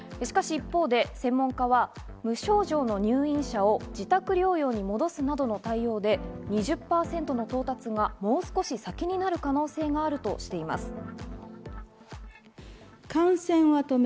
しかし一方で専門家は無症状の入院者を自宅療養に戻すなどの対応で２０％の到達がもう少し先になる可能性があるとしています。